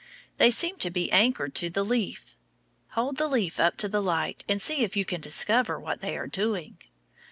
They seem to be anchored to the leaf. Hold the leaf up to the light, and see if you can discover what they are doing.